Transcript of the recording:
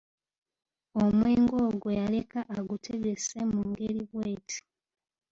Omwenge ogwo yaleka agutegese mu ngeri bw’eti